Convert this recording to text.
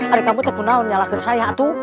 arikamu tepun naun nyalahkan saya atu